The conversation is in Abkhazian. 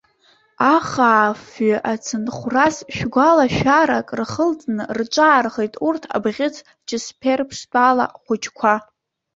Ахаафҩы ацынхәрас, шәгәалашәарак рхылҵны рҿаархеит урҭ абӷьыц ҷысԥер-ԥшҭәала хәыҷқәа.